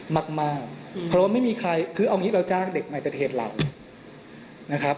มากเพราะว่าไม่มีใครคือเอาอย่างนี้เราจ้างเด็กมาเอ็นเตอร์เทนเหล่า